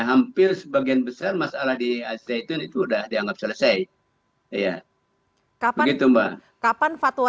hampir sebagian besar masalah di al zaitun itu udah dianggap selesai ya kapan gitu mbak kapan fatwa